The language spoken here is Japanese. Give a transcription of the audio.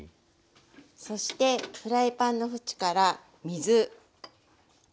そしてフライパンの縁から水。